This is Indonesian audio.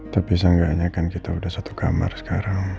tapi saya gak nyayakan kita udah satu kamar sekarang